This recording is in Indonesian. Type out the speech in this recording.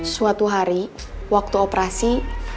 suatu hari waktu operasi